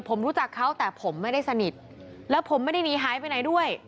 ผมรู้จักเขาแต่ผมไม่ได้สนิทแล้วผมไม่ได้หนีหายไปไหนด้วย